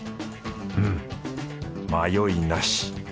うん迷いなし。